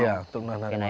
iya untuk menahan harimau